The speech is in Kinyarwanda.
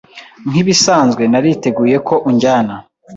nk’ ibisanzwe nariteguye ko unjyana